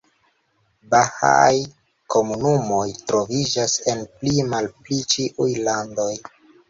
Bahaaj komunumoj troviĝas en pli-malpli ĉiuj landoj.